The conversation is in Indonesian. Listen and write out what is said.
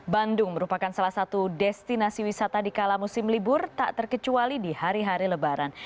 bandung merupakan salah satu destinasi wisata di kala musim libur tak terkecuali di hari hari lebaran